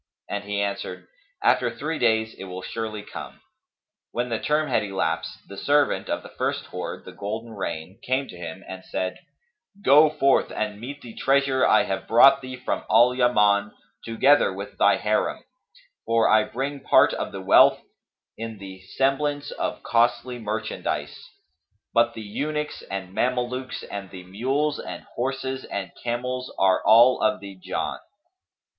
And he answered, "After three days it will surely come." When the term had elapsed, the servant of the first hoard, the golden rain, came to him and said, "Go forth and meet the treasure I have brought thee from Al Yaman together with thy Harim; for I bring part of the wealth in the semblance of costly merchandise; but the eunuchs and Mamelukes and the mules and horses and camels are all of the Jann."